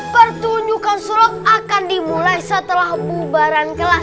pertunjukan sulok akan dimulai setelah bubaran kelas